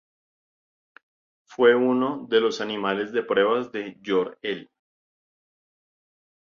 Fue uno de los animales de pruebas de Jor-El.